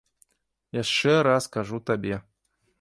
Яшчэ раз кажу табе.